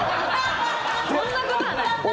そんなことはないです！